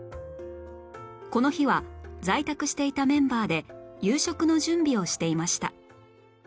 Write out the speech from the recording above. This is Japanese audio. この日は在宅していたメンバーで夕食の準備をしていました